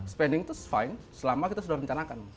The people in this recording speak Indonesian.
spending itu fine selama kita sudah rencanakan